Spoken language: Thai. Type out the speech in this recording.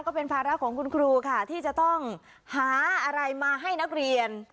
ก็เป็นภาระของคุณครูค่ะที่จะต้องหาอะไรมาให้นักเรียน